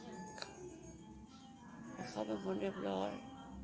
แต่เขาเป็นคนเรียบร้อย